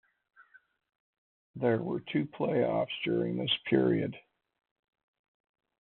There were two playoffs during this period.